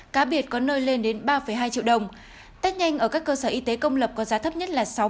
cá biệt có nơi lên đến ba hai triệu đồng test nhanh ở các cơ sở y tế công lập có giá thấp nhất là sáu mươi